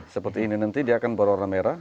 seperti ini nanti dia akan berwarna merah